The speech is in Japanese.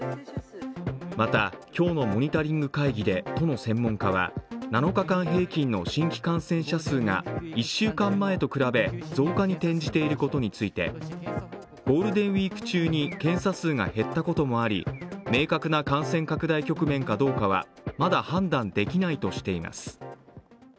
また、今日のモニタリング会議で都の専門家は、７日間平均の新規感染者数が１週間前に比べ増加に転じていることについてゴールデンウイーク中に検査数が減ったこともあり、明確な感染拡大局面かどうかはまだ判断できないとしています。